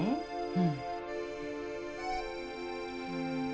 うん。